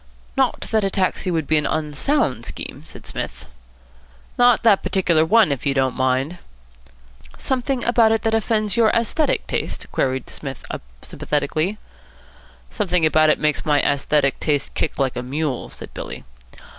"Not that a taxi would be an unsound scheme," said Psmith. "Not that particular one, if you don't mind." "Something about it that offends your aesthetic taste?" queried Psmith sympathetically. "Something about it makes my aesthetic taste kick like a mule," said Billy.